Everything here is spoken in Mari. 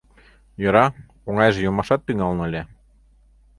Йӧра, оҥайже йомашат тӱҥалын ыле.